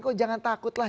kok jangan takutlah